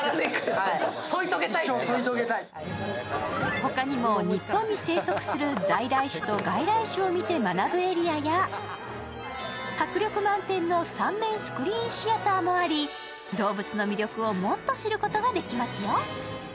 ほかにも日本に生息する在来種と外来種を学ぶエリアや迫力満点の３面スクリーンシアターもあり動物の魅力をもっと知ることができますよ。